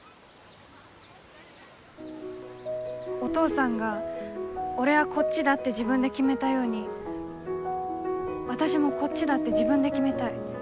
お父さんが俺はこっちだって自分で決めたように私もこっちだって自分で決めたい。